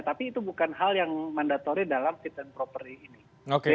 tapi itu bukan hal yang mandatori dalam fit and proper ini